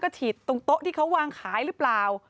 ฉีดตรงโต๊ะที่เขาวางขายหรือเปล่า